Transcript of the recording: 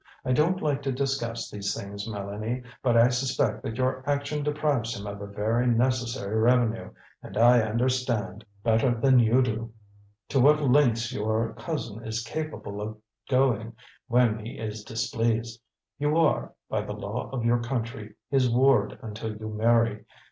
I don't like to discuss these things, Mélanie, but I suspect that your action deprives him of a very necessary revenue; and I understand, better than you do, to what lengths your cousin is capable of going when he is displeased. You are, by the law of your country, his ward until you marry.